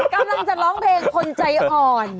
กำลังจะร้องเพลงคนใจอ่อน